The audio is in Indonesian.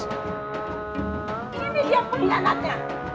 ini dia pun anaknya